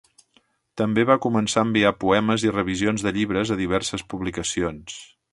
També va començar a enviar poemes i revisions de llibres a diverses publicacions.